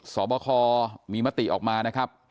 สอบคอมีมติออกมานะครับ